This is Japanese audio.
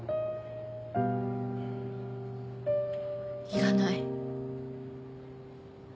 いらない。